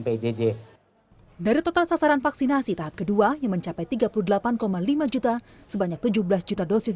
pjj dari total sasaran vaksinasi tahap kedua yang mencapai tiga puluh delapan lima juta sebanyak tujuh belas juta dosis